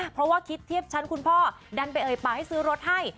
เพราะว่าคิดเทียบชั้นคุณพ่อดันไปเอ่ยปากให้ซื้อรถให้